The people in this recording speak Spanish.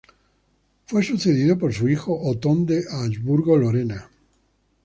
Fue sucedido por su hijo Otón de Habsburgo-Lorena.